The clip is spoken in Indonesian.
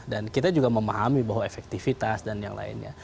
dan kita juga memahami bahwa efektivitas dan yang lainnya